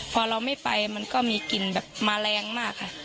พอเราไม่ไปมันก็มีกลิ่นแบบมาแรงมากค่ะ